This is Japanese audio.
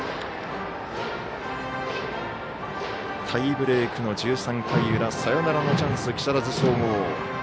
タイブレークの１３回裏サヨナラのチャンス、木更津総合。